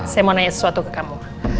saya mau nanya sesuatu ke kamu